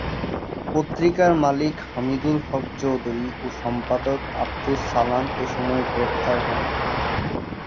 পত্রিকার মালিক হামিদুল হক চৌধুরী ও সম্পাদক আবদুস সালাম এসময় গ্রেফতার হন।